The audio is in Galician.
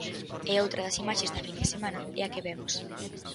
E outra das imaxes da fin de semana é a que vemos.